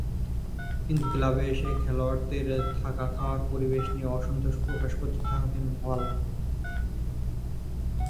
কিন্তু ক্লাবে এসেই খেলোয়াড়দের থাকা-খাওয়ার পরিবেশ নিয়ে অসন্তোষ প্রকাশ করতে থাকেন হল।